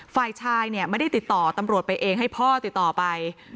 ฝ่ายชายเนี่ยไม่ได้ติดต่อตำรวจไปเองให้พ่อติดต่อไป